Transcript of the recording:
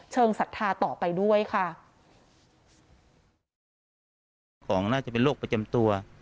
เชิงศรัทธาต่อไปด้วยค่ะ